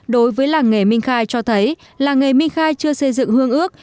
đối với làng nghề minh khai cho thấy làng nghề minh khai chưa xây dựng hương ước